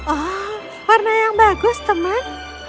oh warna yang bagus teman